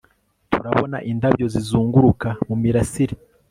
Turabona indabyo zizunguruka mu mirasire